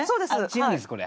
違うんですこれ。